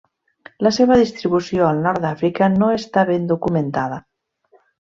La seva distribució al nord d'Àfrica no està ben documentada.